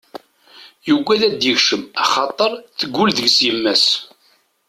Yuggad ad d-ikcem axaṭer teggull deg-s yemma-s.